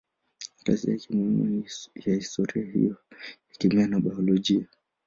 Kazi yake ni sehemu muhimu ya historia ya kemia na biolojia.